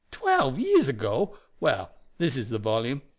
"Twelve years ago! Well, this is the volume.